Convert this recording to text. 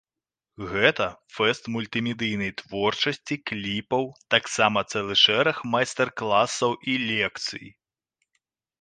Гэта фэст мультымедыйнай творчасці, кліпаў, таксама цэлы шэраг майстар-класаў і лекцый.